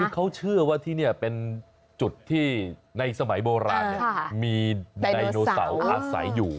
คือเขาเชื่อว่าที่นี่เป็นจุดที่ในสมัยโบราณมีไดโนเสาร์อาศัยอยู่